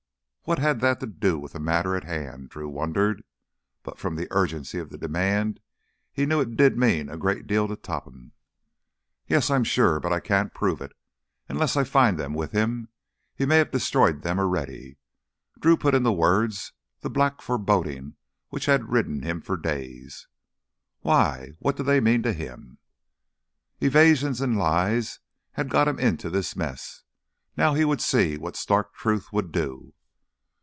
What had that to do with the matter at hand? Drew wondered. But from the urgency of the demand he knew it did mean a great deal to Topham. "Yes, I'm sure. But I can't prove it—unless I find them with him. He may have destroyed them already." Drew put into words the black foreboding which had ridden him for days. "Why? What do they mean to him?" Evasions and lies had gotten him into this mess; now he would see what stark truth would do.